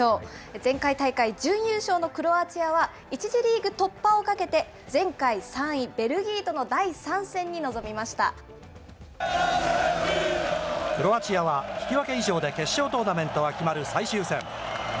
前回大会準優勝のクロアチアは、１次リーグ突破をかけて、前回３位、ベルギーとの第３戦に臨みまクロアチアは引き分け以上で決勝トーナメントが決まる最終戦。